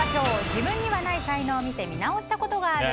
自分にない才能を見て見直したことがある？